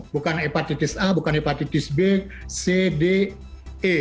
bukan hepatitis a bukan hepatitis b c d e